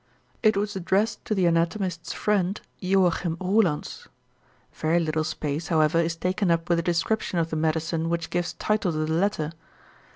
It was addressed to the anatomist's friend, Joachim Roelants. Very little space, however, is taken up with a description of the medicine which gives title to the letter.